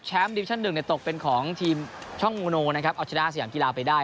แชมป์ดิวิชั่นหนึ่งในตกเป็นของทีมช่องโมโนนะครับอาจารย์สยามกีฬาไปได้